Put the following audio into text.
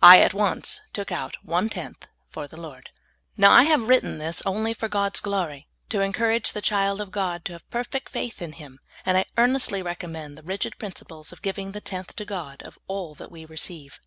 I at once took out one tenth for the I^ord. Now I have written this only for God's glory, to encourage the child of God to have perfect faith in Him, and I earnestly recommend the rigid principles of giving the tenth to God of all that w^e receive.